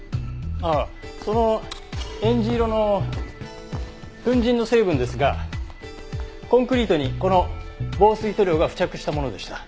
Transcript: ああそのえんじ色の粉塵の成分ですがコンクリートにこの防水塗料が付着したものでした。